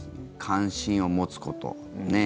関心を持つことね。